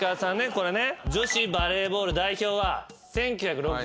これね。